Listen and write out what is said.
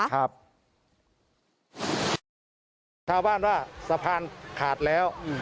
ชาวบ้านว่าสะพานขาดแล้ว